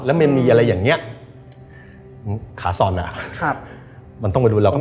แล้วมันมีอะไรอย่างเงี้ยขาสอนอะมันต้องไปดูแล้วก็แบบ